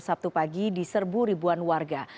sabtu pagi di serbu ribuan warga